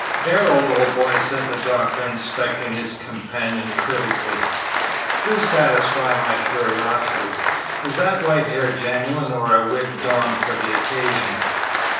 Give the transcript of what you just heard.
"Darrell, old boy," said the doctor, inspecting his companion critically, "do satisfy my curiosity: is that white hair genuine or a wig donned for the occasion?"